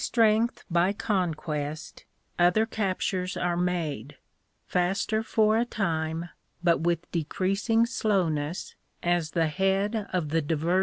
trength by conquest, other captures are made, faster for a time, but with decreasing slowness as the head of the divert ining s Ga VOL, II.